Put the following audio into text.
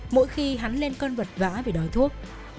mỗi khi hắn lên cơn vật vã vì đói thuốc